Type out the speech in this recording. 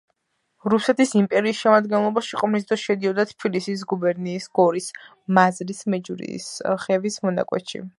რუსეთის იმპერიის შემადგენლობაში ყოფნის დროს შედიოდა თბილისის გუბერნიის გორის მაზრის მეჯვრისხევის მონაკვეთში.